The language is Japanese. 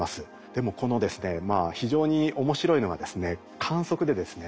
でもこのですね非常に面白いのがですね観測でですね